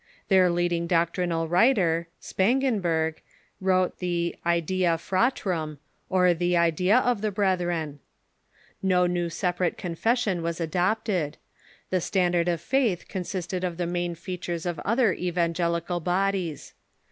°"I?" I'tm. Their leading doctrinal writer, Spangenberg, Doctrines ^' i »&' wrote the '' Idea Fratrum," or Idea of the Brethren. No new separate confession was adopted. The standard of faith consisted of the main features of other evangelical bod ies.